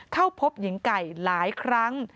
เข้าพบหญิงไก่หลายครั้ง